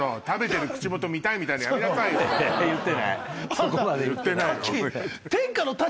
そこまで言ってない。